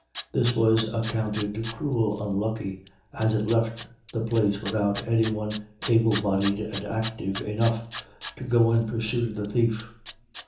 This was accounted cruel unlucky, as it left the place without any one able bodied and active enough to go in pursuit of the thief.